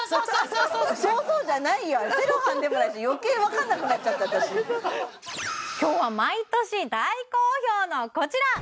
そうそうじゃないよあれセロハンでもないし余計分かんなくなっちゃった私今日は毎年大好評のこちら！